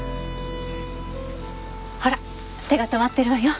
ほら手が止まってるわよ。